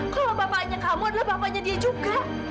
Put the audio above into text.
kalau bapaknya kamu adalah bapaknya dia juga